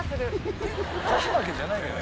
勝ち負けじゃないのよ。